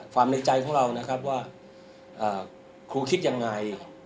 ในใจของเรานะครับว่าครูคิดยังไง